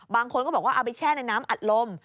บางคนก็บอกว่าเอาไปแช่ในน้ำอัดลม